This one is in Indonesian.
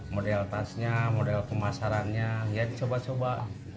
model tasnya model pemasarannya ya dicoba coba